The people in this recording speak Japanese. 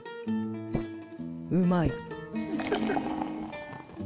うまい。